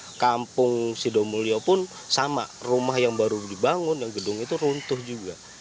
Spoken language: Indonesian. ujung kampung sidomulia pun sama rumah yang baru dibangun gedung itu runtuh juga